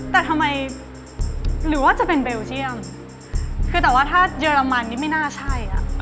แต่ทำไมหรือว่าจะเป็นเบลเจียมคือแต่ว่าถ้าเยอรมันนี่ไม่น่าใช่อ่ะ